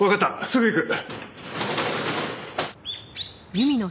すぐ行く！